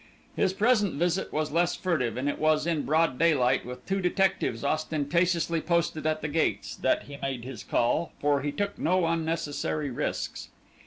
His present visit was less furtive and it was in broad daylight, with two detectives ostentatiously posted at the gates, that he made his call for he took no unnecessary risks.